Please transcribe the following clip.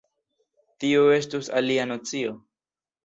Tio estus alia nocio.